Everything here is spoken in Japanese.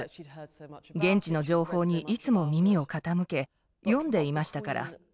現地の情報にいつも耳を傾け読んでいましたから。